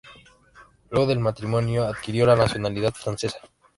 Luego del matrimonio adquirió la nacionalidad francesa.